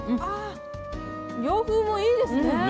洋風もいいですね。